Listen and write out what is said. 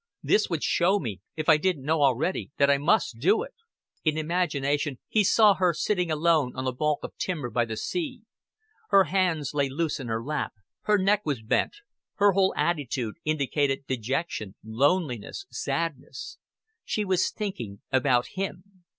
This would show me, if I didn't know already, that I must do it." In imagination he saw her sitting alone on a balk of timber by the sea. Her hands lay loose in her lap; her neck was bent; her whole attitude indicated dejection, loneliness, sadness. She was thinking about him.